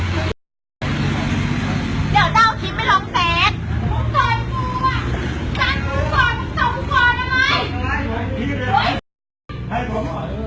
ช่วยด้วยค่ะส่วนสุด